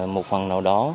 một phần nào đó